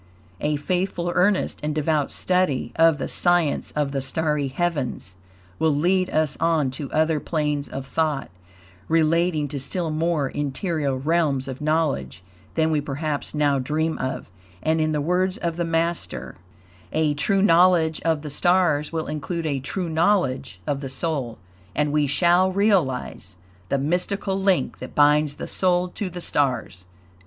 A faithful, earnest and devout study of the "Science of the Starry Heavens" will lead us on to other planes of thought, relating to still more interior realms of knowledge than we perhaps now dream of, and, in the words of the master: "A true knowledge of the stars will include a true knowledge of the soul," and we shall realize "the mystical link that binds the soul to the stars."